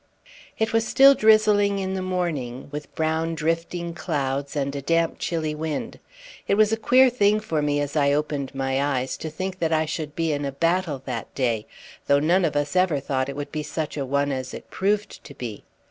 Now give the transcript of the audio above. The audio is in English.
It was still drizzling in the morning, with brown drifting clouds and a damp chilly wind. It was a queer thing for me as I opened my eyes to think that I should be in a battle that day, though none of us ever thought it would be such a one as it proved to be.